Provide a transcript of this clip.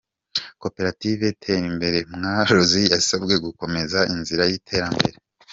Koperative Terimbere Mworozi yasabwe gukomeza inzira y’Iterambere